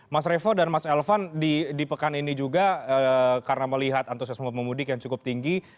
mas revo dan mas elvan di pekan ini juga karena melihat antusiasme pemudik yang cukup tinggi